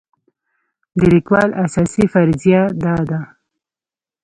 د لیکوال اساسي فرضیه دا ده.